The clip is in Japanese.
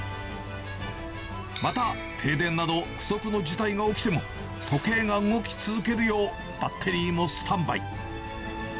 また、停電など不測の事態が起きても、時計が動き続けるよう、バッテリーもスタンバイ。